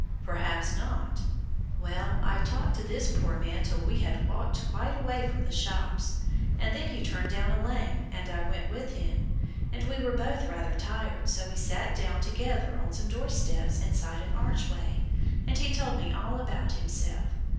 "Perhaps not." "Well, I talked to this poor man till we had walked quite away from the shops, and then he turned down a lane, and I went with him; and we were both rather tired, so we sat down together on some doorsteps inside an archway, and he told me all about himself.